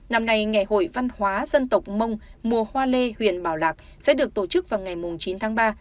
năm nay ngày hội văn hóa dân tộc mông mùa hoa lê huyện bảo lạc sẽ được tổ chức vào ngày chín tháng ba